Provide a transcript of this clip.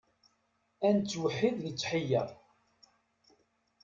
Ad nettweḥḥid netḥeyyeṛ.